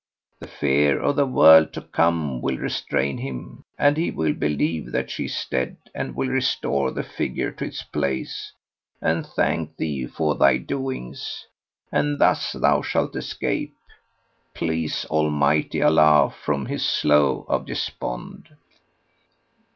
The fear of the world to come will restrain him and he will believe that she is dead and will restore the figure to its place and thank thee for thy doings; and thus thou shalt escape, please Almighty Allah, from this slough of despond."